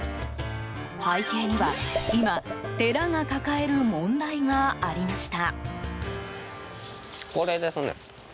背景には今、寺が抱える問題がありました。